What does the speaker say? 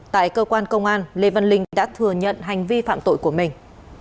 tại cơ quan công an lê văn linh đã thừa nhận hành vi phạm tội của mình